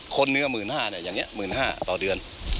คนเนื้อ๑๕๐๐เนี่ยอย่างนี้๑๕๐๐ต่อเดือน